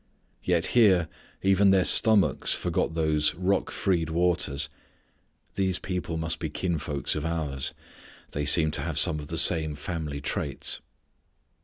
Yet here even their stomachs forgot those rock freed waters. These people must be kinsfolk of ours. They seem to have some of the same family traits.